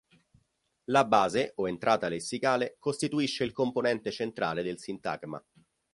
La base o entrata lessicale costituisce il componente centrale del sintagma.